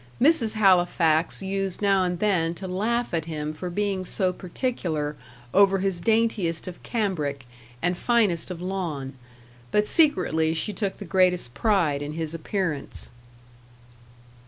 Mrs. Halifax used now and then to laugh at him for being so particular over his daintiest of cambric and finest of lawn but secretly she took the greatest pride in his appearance.